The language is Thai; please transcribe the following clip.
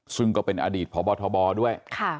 ซึ่งก็เป็นอดีตพบทบด้วย